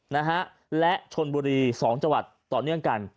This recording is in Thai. นะฮะและชนบุรีสองจังหวัดต่อเนื่องกัน